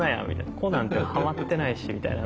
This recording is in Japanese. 「コ」なんて変わってないしみたいな。